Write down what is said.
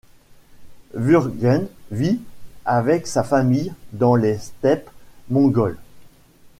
Wurgen vit, avec sa famille, dans les steppes mongoles.